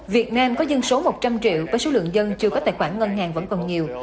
việt nam có dân số một trăm linh triệu với số lượng dân chưa có tài khoản ngân hàng vẫn còn nhiều